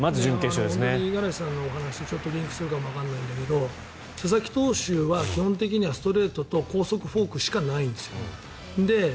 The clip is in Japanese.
五十嵐さんのお話とリンクするかもわからないんだけど佐々木投手は基本的にはストレートと高速フォークしかないんです。